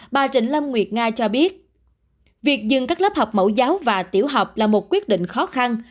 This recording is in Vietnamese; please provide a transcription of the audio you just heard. bà trịnh lâm nguyệt nga cho biết việc dừng các lớp học mẫu giáo và tiểu học là một quyết định khó khăn